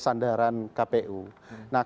sandaran kpu nah